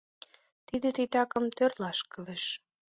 Тиде титакым тӧрлаташ кӱлеш.